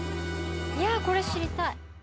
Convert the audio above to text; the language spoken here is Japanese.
いやこれ知りたい。